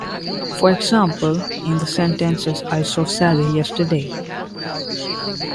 For example, in the sentences I saw Sally yesterday.